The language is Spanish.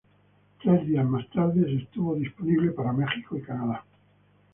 Tres días más tarde, estuvo disponible para los Estados Unidos y Canadá.